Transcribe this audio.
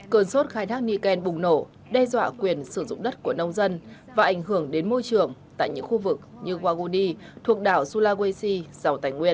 cơn sốt khai thác nikken bùng nổ đe dọa quyền sử dụng đất của nông dân và ảnh hưởng đến môi trường tại những khu vực như waguni thuộc đảo sulawesi giàu tài nguyên